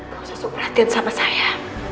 kau harus berhati hati sama saya